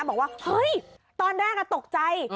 บอกว่าเฮ้ยตอนแรกตกใจ